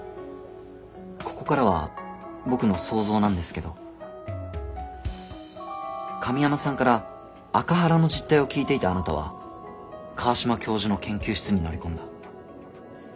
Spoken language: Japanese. ここからは僕の想像なんですけど神山さんからアカハラの実態を聞いていたあなたは川島教授の研究室に乗り込んだ。